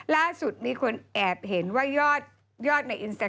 ล่าสุดมีคนแอบเห็นว่ายอดในอินสตา